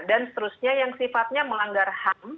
dan seterusnya yang sifatnya melanggar ham